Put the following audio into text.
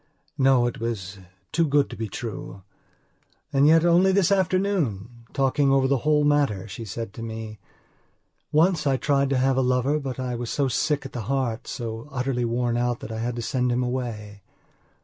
No, it was too good to be true. And yet, only this afternoon, talking over the whole matter she said to me: "Once I tried to have a lover but I was so sick at the heart, so utterly worn out that I had to send him away."